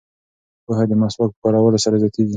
پوهه د مسواک په کارولو سره زیاتیږي.